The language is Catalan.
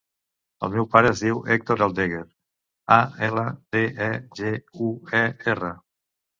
El meu pare es diu Hèctor Aldeguer: a, ela, de, e, ge, u, e, erra.